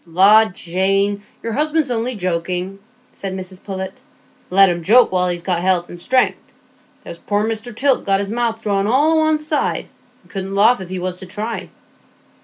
"La, Jane, your husband's only joking," said Mrs Pullet; "let him joke while he's got health and strength. There's poor Mr Tilt got his mouth drawn all o' one side, and couldn't laugh if he was to try."